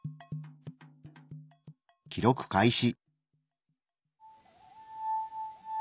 記録開始。